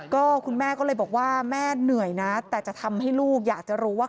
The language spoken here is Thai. ก็คุณแม่ก็เลยบอกว่าแม่เหนื่อยนะแต่จะทำให้ลูกอยากจะรู้ว่า